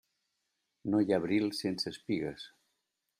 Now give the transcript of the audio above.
No hi ha abril sense espigues.